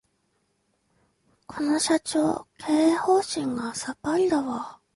この社長、経営方針がさっぱりだわ